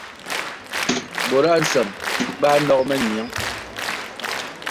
Bɔ̀t a nsə̀ŋ bə a nok mə nyìəŋ.